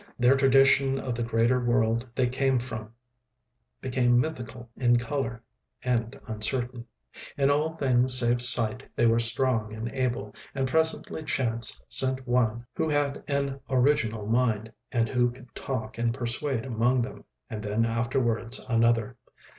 Their tradition of the greater world they came from became mythical in colour and uncertain. In all things save sight they were strong and able, and presently chance sent one who had an original mind and who could talk and persuade among them, and then afterwards another.